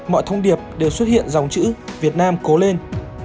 mọi thông điệp đều xuất hiện dòng chữ việt nam cố lên